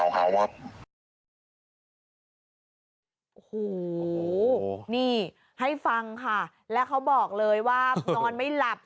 โอ้โหนี่ให้ฟังค่ะแล้วเขาบอกเลยว่านอนไม่หลับ